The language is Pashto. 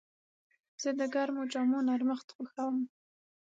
زه د ګرمو جامو نرمښت خوښوم.